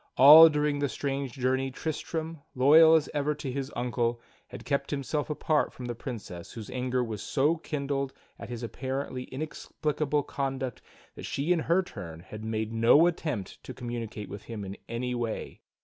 All during the strange journey Tristram, loyal as ever to his uncle, had kept himself apart from the Princess whose anger was so kindled at his apparently inexplicable conduct that she in her turn had made no attempt to communicate with him in any way.